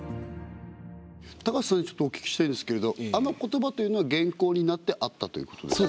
高瀬さんにちょっとお聞きしたいんですけれどあの言葉というのは原稿になってあったということですか？